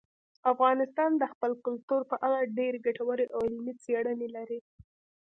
افغانستان د خپل کلتور په اړه ډېرې ګټورې او علمي څېړنې لري.